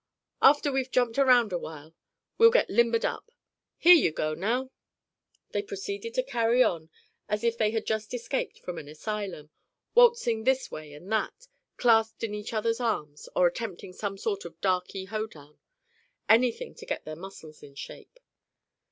"After we've jumped around a while, we'll get limbered up. Here you go, now!" They proceeded to carry on as if they had just escaped from an asylum, waltzing this way and that, clasped in each other's arms, or attempting some sort of darky hoedown—anything to get their muscles in shape.